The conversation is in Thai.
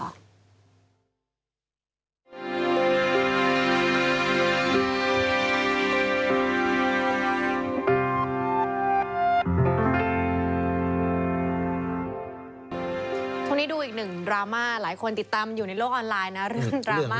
ช่วงนี้ดูอีกหนึ่งดราม่าหลายคนติดตามอยู่ในโลกออนไลน์นะ